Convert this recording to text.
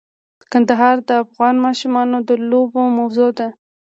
کندهار د افغان ماشومانو د لوبو موضوع ده.